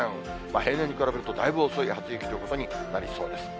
平年に比べるとだいぶ遅い初雪ということになりそうです。